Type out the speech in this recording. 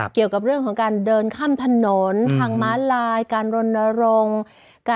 เกี่ยวกับเรื่องของการเดินข้ามถนนทางม้าลายการรณรงค์